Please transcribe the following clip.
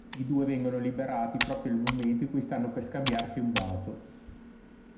I due vengono liberati proprio nel momento in cui stanno per scambiarsi un bacio.